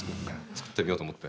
作ってあげようと思って？